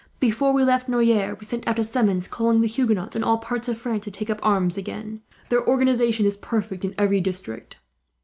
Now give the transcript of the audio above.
Before we left Noyers we sent out a summons, calling the Huguenots in all parts of France to take up arms again. Their organization is perfect in every district.